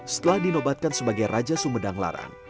setelah dinobatkan sebagai raja sumedang larang